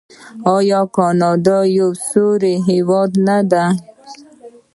آیا کاناډا یو سوړ هیواد نه دی؟